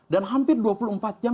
dan hampir dua puluh empat jam